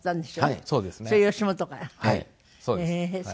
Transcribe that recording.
はい。